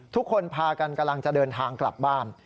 ทุกคนพากันกำลังจะเดินทางกลับบ้าน